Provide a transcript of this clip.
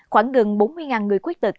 khoảng gần bốn mươi người khuyết tực